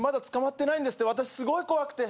私すごい怖くて。